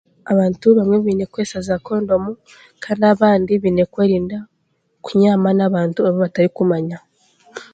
abantu abamwe biine kukozesa kondomu kandi abandi biine kwerinda kunyama n'abantu abu batarikumanya.